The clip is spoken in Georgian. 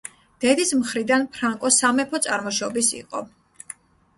დედის მხრიდან ფრანკო სამეფო წარმოშობის იყო.